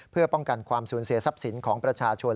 เพื่อป้องกันความสูญเสียทรัพย์สินของประชาชน